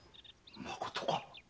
まことか？